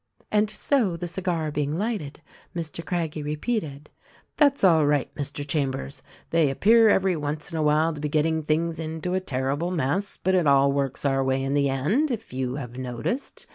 And so the cigar being lighted, Mr. Craggie repeated, "That's all right, Mr. Chambers. They appear every once in a while to be getting things into a terrible mess ; but it all works our way in the end — if you have noticed.